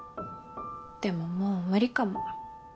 でももう無理かも。